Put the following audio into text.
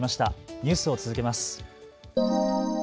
ニュースを続けます。